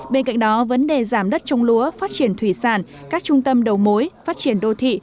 bên cạnh đó vấn đề giảm đất trông lúa phát triển thủy sản các trung tâm đầu mối phát triển đô thị